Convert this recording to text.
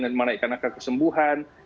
dan menaikkan angka kesembuhan